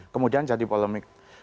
kemudian jadi polemik